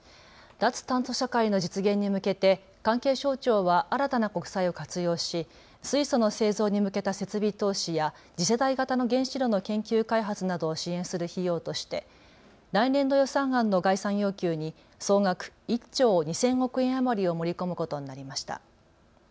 脱炭素社会の実現に向けて関係省庁は新たな国債を活用し水素の製造に向けた設備投資や次世代型の原子炉の研究開発などを支援する費用として来年度予算案の概算要求に総額１兆２０００億円余りを盛り込むことになりました。